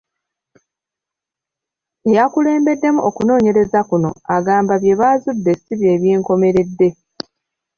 Eyakuliddemu okunoonyereza kuno agamba bye bazudde ssi bye byenkomeredde.